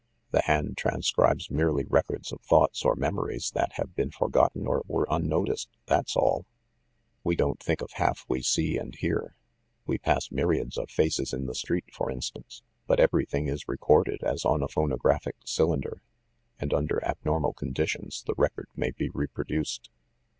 The hand transcribes merely records of thoughts or memories that have been forgotten or were unnoticed, that's all. We don't think of half we see and hear; we pass myriads of faces in the street, for instance ; but everything is recorded, as on a pho NUMBER THIRTEEN 167 nographic cylinder, and, under abnormal conditions, the record may be reproduced.'